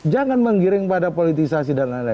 jangan menggiring pada politisasi